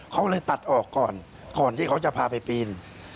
เขาเลยตัดออกก่อนก่อนที่เขาจะพาไปปีน